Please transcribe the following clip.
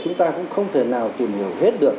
chúng ta cũng không thể nào tìm hiểu hết được